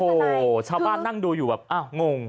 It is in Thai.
โอ้โหชาวบ้านนั่งดูอยู่แบบอ้าวงง